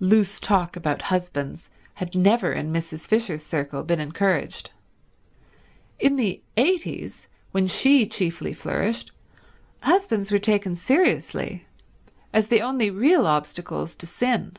Loose talk about husbands had never in Mrs. Fisher's circle been encouraged. In the 'eighties, when she chiefly flourished, husbands were taken seriously, as the only real obstacles to sin.